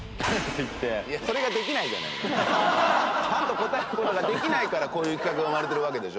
パンと答える事ができないからこういう企画が生まれてるわけでしょ。